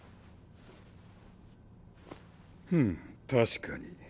ふむ確かに。